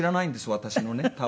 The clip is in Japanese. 私のね多分。